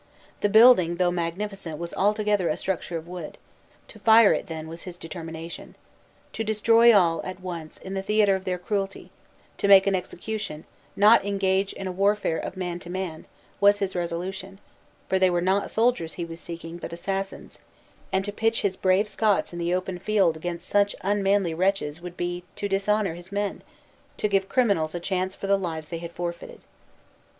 The building, though magnificent, was altogether a structure of wood; to fire it, then, was his determination. TO destroy all, at once, in the theater of their cruelty; to make an execution, not engage in a warfare of man to man, was his resolution; for they were not soldiers hew as seeking, but assassins; and to pitch his brave Scots in the open field against such unmanly wretches would be to dishonor his men, to give criminals a chance for the lives they had forfeited.